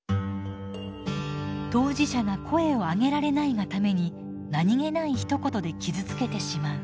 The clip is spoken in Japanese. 当事者が声をあげられないがために何気ないひと言で傷つけてしまう。